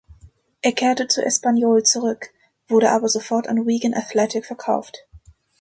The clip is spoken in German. Er kehrte zu Espanyol zurück, wurde aber sofort an Wigan Athletic verkauft.